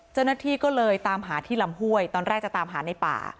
เจ้าหน้าที่ก็เลยตามหาที่ลำห้วยตอนแรกจะตามหาในป่า